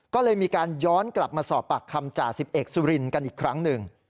ก็เลยมีการย้อนกลับมาสอบปากคำจ่าสิบเอกสุรินกันอีกครั้งหนึ่ง